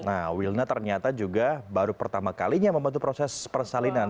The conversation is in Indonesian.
nah wilna ternyata juga baru pertama kalinya membantu proses persalinan